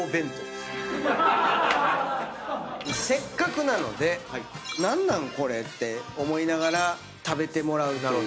せっかくなので何なん？これって思いながら食べてもらう。